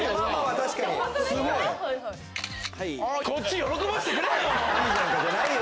確かにこっち喜ばせてくれよ！